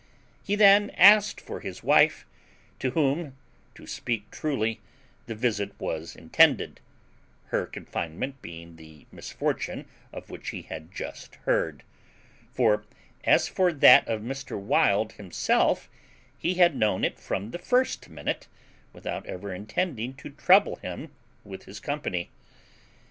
He then asked for his wife, to whom, to speak truly, the visit was intended, her confinement being the misfortune of which he had just heard; for, as for that of Mr. Wild himself, he had known it from the first minute, without ever intending to trouble him with his company.